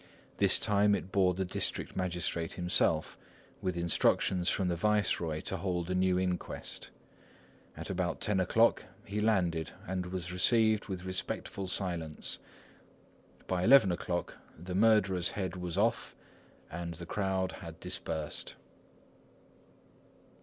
This time it bore the district magistrate himself, with instructions from the viceroy to hold a new inquest. At about ten o'clock he landed, and was received with respectful silence. By eleven o'clock the murderer's head was off and the crowd had dispersed.